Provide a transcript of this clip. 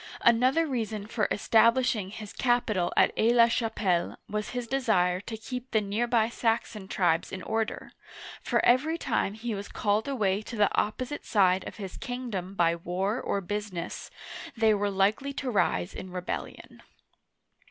Another reason for establishing his capital at Aix la Chapelle was his desire to keep the near by Saxon tribes in order, for every time he was called away to the opposite side of his kingdom by war or business, they were likely to rise in rebellion.